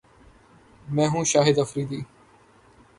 میں ہوں شاہد افریدی